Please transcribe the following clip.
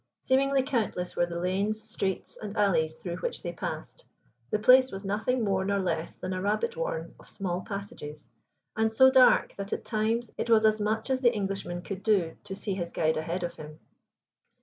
Seemingly countless were the lanes, streets, and alleys through which they passed. The place was nothing more nor less than a rabbit warren of small passages, and so dark that, at times, it was as much as the Englishman could do to see his guide ahead of him.